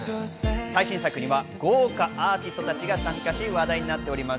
最新作には豪華アーティストたちが参加し話題になっています。